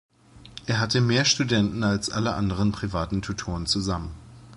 Er hatte mehr Studenten als alle anderen privaten Tutoren zusammen.